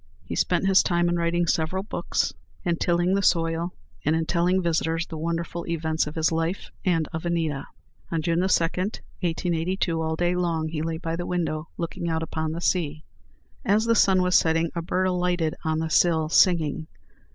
He spent his time in writing several books, in tilling the soil, and in telling visitors the wonderful events of his life and of Anita. On June 2, 1882, all day long he lay by the window, looking out upon the sea. As the sun was setting, a bird alighted on the sill, singing.